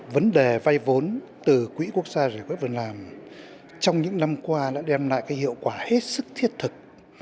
vấn đề vay vốn từ quỹ quốc gia về việc làm trong những năm qua đã đem lại hiệu quả hết sức thiết thực